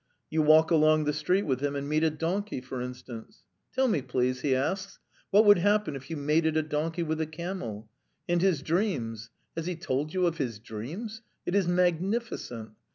You walk along the street with him and meet a donkey, for instance. ... 'Tell me, please,' he asks, 'what would happen if you mated a donkey with a camel?' And his dreams! Has he told you of his dreams? It is magnificent!